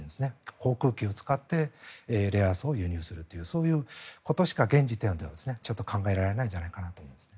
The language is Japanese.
航空機を使ってレアアースを輸入するというそういうことしか現時点では考えられないんじゃないかと思います。